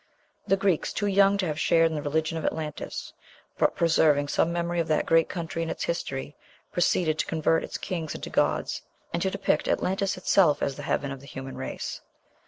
The Greeks, too young to have shared in the religion of Atlantis, but preserving some memory of that great country and its history, proceeded to convert its kings into gods, and to depict Atlantis itself as the heaven of the human race.